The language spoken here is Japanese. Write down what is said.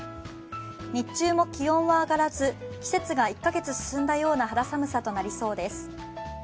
日中も気温は上がらず、季節が１カ月進んだような肌寒さとなりそうです。